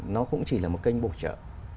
nó cũng chỉ là một kênh bộ trợ